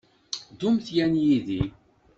Ddumt yan yid-i.